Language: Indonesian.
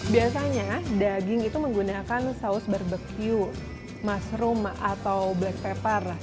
biasanya daging itu menggunakan saus barbecue mushroom atau black pepper